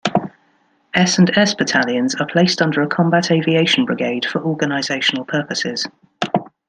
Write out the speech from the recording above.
S and S battalions are placed under a combat aviation brigade for organizational purposes.